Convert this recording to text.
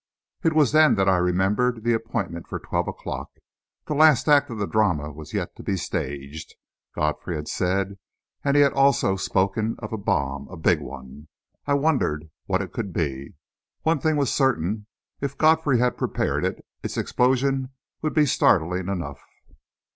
It was then that I remembered the appointment for twelve o'clock. The last act of the drama was yet to be staged, Godfrey had said, and he had also spoken of a bomb a big one! I wondered what it could be, One thing was certain: if Godfrey had prepared it, its explosion would be startling enough!